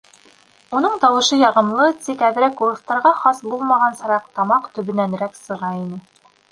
Уның тауышы яғымлы, тик әҙерәк, урыҫтарға хас булмағансараҡ, тамаҡ төбөнәнерәк сыға ине.